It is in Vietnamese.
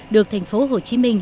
được thành phố hồ chí minh